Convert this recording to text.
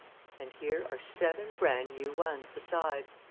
"And here are seven brand new ones besides.